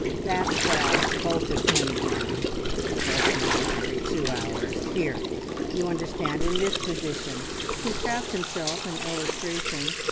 "That's well! Poultice him then, a fresh one every two hours. Here! You understand, in this position," he tapped himself in illustration.